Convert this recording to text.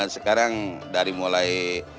sekarang dari mulai